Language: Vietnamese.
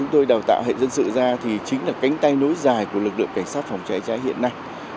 tôi đào tạo hệ dân sự ra thì chính là cánh tay nối dài của lực lượng cảnh sát phòng cháy cháy hiện nay